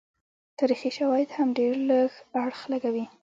تاریخي شواهد هم ډېر لږ اړخ لګوي.